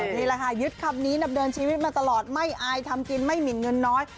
นี่แหละค่ะยึดคำนี้ดำเนินชีวิตมาตลอดไม่อายทำกินไม่หมินเงินน้อย